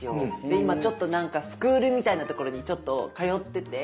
で今ちょっとなんかスクールみたいなところに通ってて。